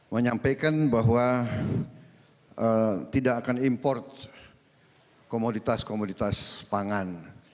menyampaikan bahwa tidak akan import komoditas komoditas pangan